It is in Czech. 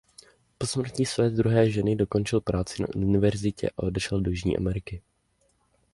Po smrti své druhé ženy dokončil práci na univerzitě a odešel do Jižní Ameriky.